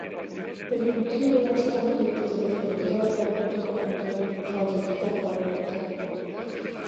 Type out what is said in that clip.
күргүйдүү былаастаан ыйыппытыгар, буруйдаах оҕо курдук ойон туран, холодильниктан ылан биэрдэ